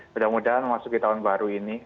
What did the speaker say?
mudah mudahan masuk di tahun baru ini